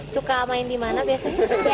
suka main di mana biasanya